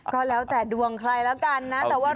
ก็แล้วแต่ดวงใครแล้วกันนะ